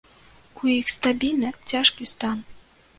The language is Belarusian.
У іх стабільна цяжкі стан.